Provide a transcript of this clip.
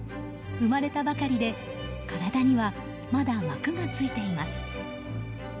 生まれたばかりで体には、まだ膜がついています。